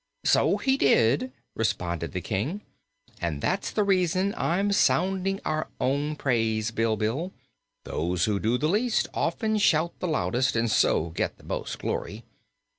"So he did," responded the King, "and that's the reason I'm sounding our own praise, Bilbil. Those who do the least, often shout the loudest and so get the most glory.